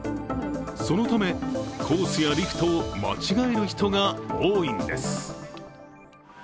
そのため、コースやリフトを間違える人が多いんです。